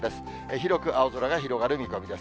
広く青空が広がる見込みです。